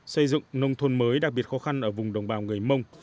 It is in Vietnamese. xây dựng nông thôn mới đặc biệt khó khăn ở vùng đồng bào người mông